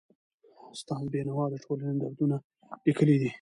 استاد بینوا د ټولني دردونه لیکلي دي.